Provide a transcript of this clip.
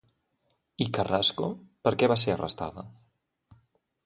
I Carrasco, per què va ser arrestada?